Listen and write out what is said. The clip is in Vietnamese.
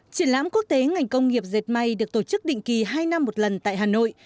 triển lãm quốc tế ngành công nghiệp dệt may được tổ chức định kỳ hai năm một lần tại hà nội